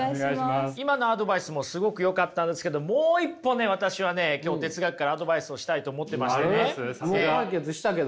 今のアドバイスもすごくよかったんですけどもう一歩ね私はね今日哲学からアドバイスをしたいと思ってましてね。あります？